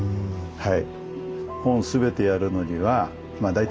はい。